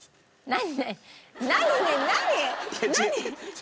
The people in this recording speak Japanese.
何？